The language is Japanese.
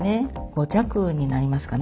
５弱になりますかね。